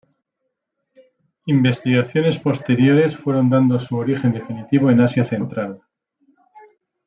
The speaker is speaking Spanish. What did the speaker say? Investigaciones posteriores fueron dando su origen definitivo en Asia Central.